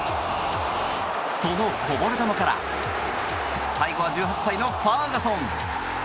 そのこぼれ球から最後は１８歳のファーガソン。